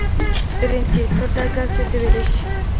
بىرىنچى، توردا گاز سېتىۋېلىش.